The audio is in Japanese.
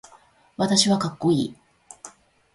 私はかっこいい